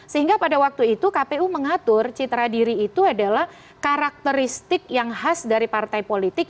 sehingga pada waktu itu kpu mengatur citra diri itu adalah karakteristik yang khas dari partai politik